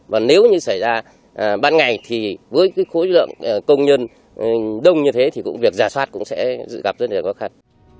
và nếu như xảy ra ban ngày thì với cái khối lượng công nhân đông như thế thì cũng việc giả soát cũng sẽ gặp rất nhiều khó khăn